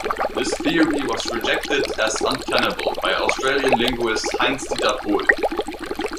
This theory was rejected as untenable by Austrian linguist Heinz-Dieter Pohl.